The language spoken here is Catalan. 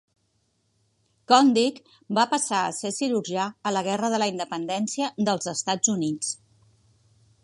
Condict va passar a ser cirurgià a la Guerra de la Independència dels Estats Units.